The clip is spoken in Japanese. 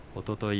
おととい